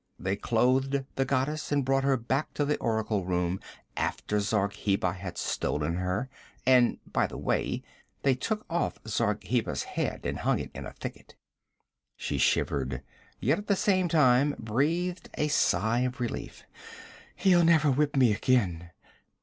They clothed the goddess and brought her back to the oracle room after Zargheba had stolen her. And by the way, they took off Zargheba's head and hung it in a thicket.' She shivered, yet at the same time breathed a sigh of relief. 'He'll never whip me again.'